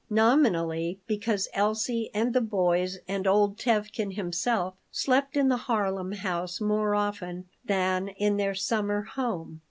Nominally, because Elsie and the boys and old Tevkin himself slept in the Harlem house more often than in their summer home.